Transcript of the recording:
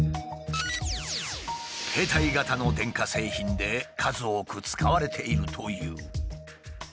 携帯型の電化製品で数多く使われているという。